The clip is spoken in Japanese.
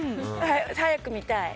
早く見たい。